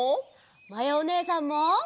まやおねえさんも。